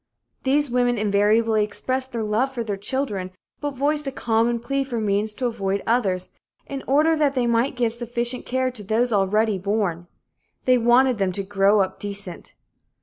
These women invariably expressed their love for children, but voiced a common plea for means to avoid others, in order that they might give sufficient care to those already born. They wanted them "to grow up decent."